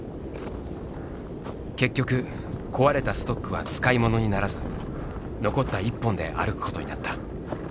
結局壊れたストックは使い物にならず残った一本で歩くことになった。